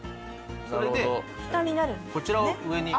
それでこちらを上に。